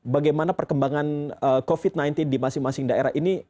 bagaimana perkembangan covid sembilan belas di masing masing daerah ini